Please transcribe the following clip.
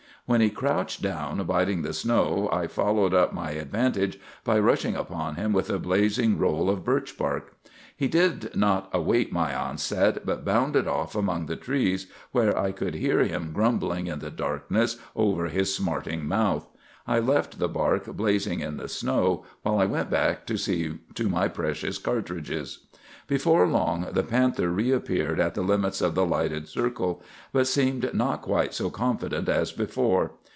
When he crouched down, biting the snow, I followed up my advantage by rushing upon him with a blazing roll of birch bark. He did not await my onset, but bounded off among the trees, where I could hear him grumbling in the darkness over his smarting mouth. I left the bark blazing in the snow while I went back to see to my precious cartridges. "Before long the panther reappeared at the limits of the lighted circle, but seemed not quite so confident as before.